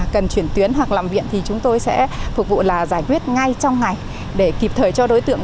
cần chuyển tuyến hoặc làm viện thì chúng tôi sẽ phục vụ là giải quyết ngay trong ngày để kịp thời cho đối tượng